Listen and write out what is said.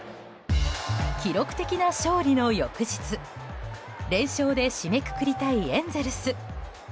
記録的な勝利の翌日連勝で締めくくりたいエンゼルス。